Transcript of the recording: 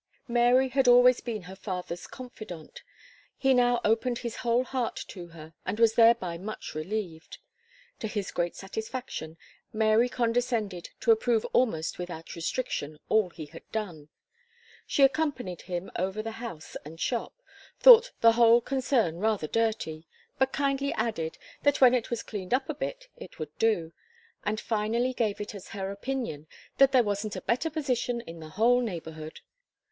Mary had always been her father's confidante; he now opened his whole heart to her, and was thereby much relieved. To his great satisfaction, Mary condescended to approve almost without restriction, all he had done. She accompanied him over the house and shop thought "the whole concern rather dirty," but kindly added, "that when it was cleaned up a bit, it would do;" and finally gave it as her opinion, "that there wasn't a better position in the whole neighbourhood."